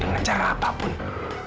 makhlulah mereka cuma artists